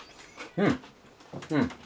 うん！